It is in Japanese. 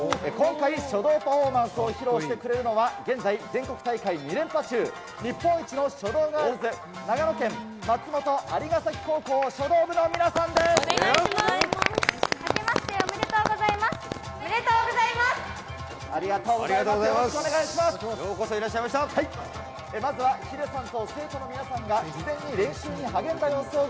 今回、書道パフォーマンスを披露してくれるのは、現在、全国大会２連覇中、日本一の書道ガールズ、長野県、松本蟻ヶ崎高校書道部の皆さんです。